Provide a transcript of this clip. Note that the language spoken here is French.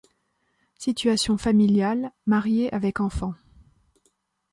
Situation familiale: mariée avec enfants.